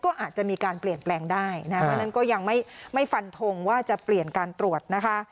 ก็อาจจะมีการเปลี่ยนแปลงได้นะเพราะฉะนั้นก็ยังไม่ฟันทงว่าจะเปลี่ยนการตรวจนะคะ